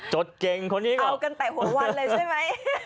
ดเก่งคนนี้ก็เอากันแต่หัววันเลยใช่ไหม